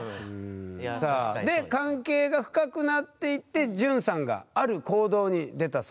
さあで関係が深くなっていって潤さんがある行動に出たそうです。